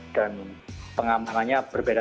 dan pengamannya berbeda